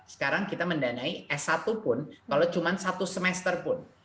sekarang kita mendanai s satu pun kalau cuma satu semester pun